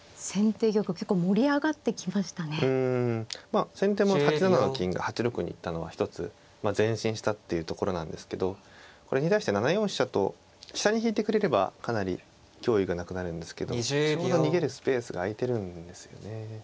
まあ先手も８七の金が８六に行ったのは一つ前進したっていうところなんですけどこれに対して７四飛車と下に引いてくれればかなり脅威がなくなるんですけどちょうど逃げるスペースが空いてるんですよね。